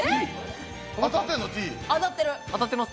当たってます。